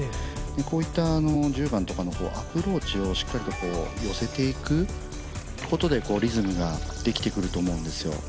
こういった１０番とかのアプローチをしっかり寄せていくことでリズムができてくると思うんですよ。